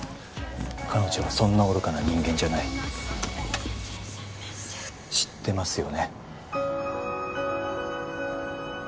彼女はそんな愚かな人間じゃない知ってますよね？